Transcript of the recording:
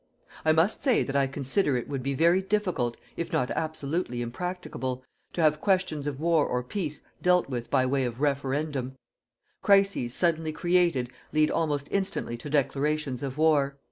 I must say that I consider it would be very difficult, if not absolutely impracticable, to have questions of war or peace dealt with by way of "Referendum." Crises suddenly created lead almost instantly to declarations of war.